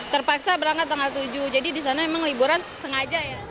terpaksa berangkat tanggal tujuh jadi disana emang hiburan sengaja ya